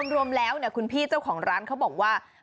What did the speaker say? รวมแล้วคุณพี่เจ้าของร้านเขาบอกว่า